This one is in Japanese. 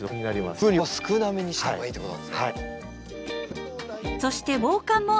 水分量は少なめにした方がいいってことなんですね。